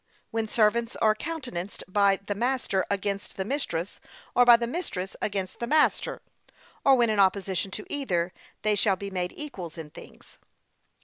When servants are countenanced by the master against the mistress; or by the mistress against the master; or when in opposition to either, they shall be made equals in things.